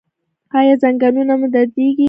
ایا زنګونونه مو دردیږي؟